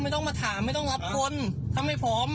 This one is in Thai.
ไม่ต้องมาถามไม่ต้องรับคนทำไมพร้อม